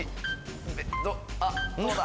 あっどうだ？